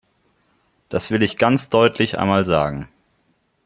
Das will ich ganz deutlich einmal sagen!